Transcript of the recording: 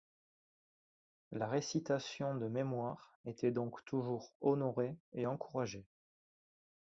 La récitation de mémoire était donc toujours honorée et encouragée.